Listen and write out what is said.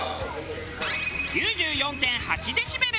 ９４．８デシベル。